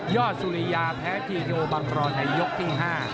ย่อสุริยาแพ้ที่โอบังรณ์ในยกที่๕